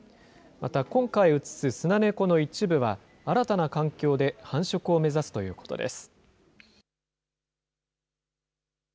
また、今回移すスナネコの一部は、新たな環境で繁殖を目指すということです。